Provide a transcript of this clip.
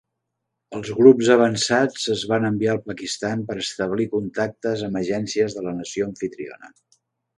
Els grups avançats es van enviar al Pakistan per establir contactes amb agències de la nació amfitriona.